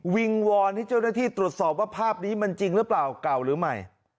วิงวอนให้เจ้าหน้าที่ตรวจสอบว่าภาพนี้มันจริงหรือเปล่าเก่าหรือใหม่